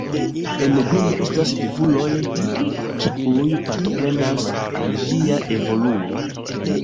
En grundo estas vivuloj, kiuj partoprenas al ĝia evoluo.